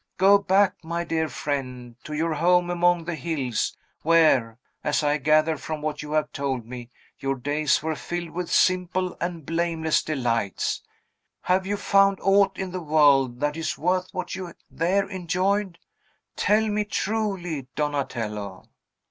Go back, my dear friend, to your home among the hills, where (as I gather from what you have told me) your days were filled with simple and blameless delights. Have you found aught in the world that is worth' what you there enjoyed? Tell me truly, Donatello!"